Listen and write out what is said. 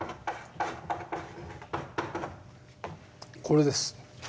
これです。